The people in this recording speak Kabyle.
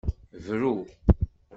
Bru.